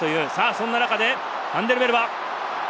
そんな中でファンデルメルヴァ！